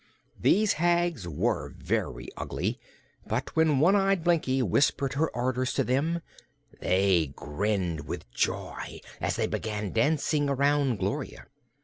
These hags were very ugly but when one eyed Blinkie whispered her orders to them they grinned with joy as they began dancing around Gloria.